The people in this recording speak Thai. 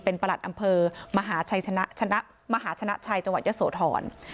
เป็นปรัตน์อำเภอมหาชนชันะชันะมหาชนชันะชัยต์จังหวัดเยอะโศทร